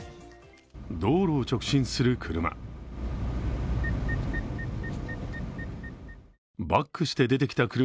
道路を直進する車。